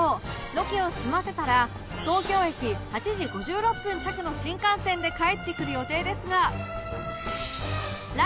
ロケを済ませたら東京駅８時５６分着の新幹線で帰ってくる予定ですが